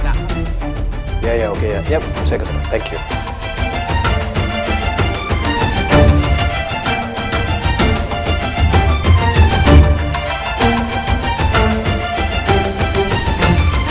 duduk tegap sedikit